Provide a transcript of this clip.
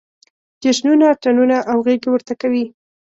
جشنونه، اتڼونه او غېږې ورته کوي.